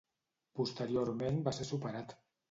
Posteriorment va ser superat.